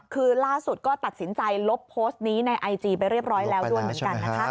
คือล่าสุดก็ตัดสินใจลบโพสต์นี้ในไอจีไปเรียบร้อยแล้วด้วยเหมือนกันนะคะ